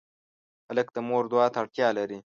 هلک د مور دعا ته اړتیا لري.